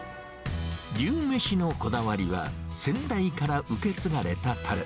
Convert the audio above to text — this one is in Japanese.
牛めしのこだわりは、先代から受け継がれたたれ。